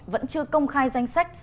vẫn chưa công khai danh sách